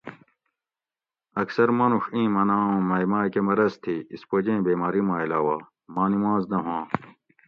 اکثر مانوڛ ایں مناۤں اوں مئی ماکہ مرض تھی (اسپوجیں بیماری ما علاوہ) ماں نماز نہ ہواں